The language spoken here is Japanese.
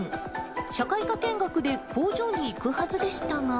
社会科見学で工場に行くはずでしたが。